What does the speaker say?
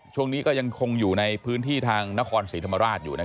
ช่วงนี้ก็ยังคงอยู่ในพื้นที่ทางนครศรีธรรมราชอยู่